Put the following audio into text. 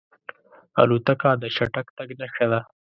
الوتکه د چټک تګ نښه ده.